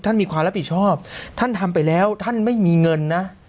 มีความรับผิดชอบท่านทำไปแล้วท่านไม่มีเงินนะ